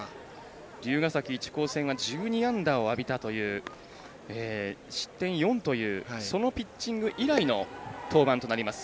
竜ヶ崎一高戦は１２安打を浴びたという失点４というそのピッチング以来の登板となります。